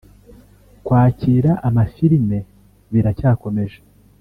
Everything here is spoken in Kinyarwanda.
Kwakira amafilime biracyakomeje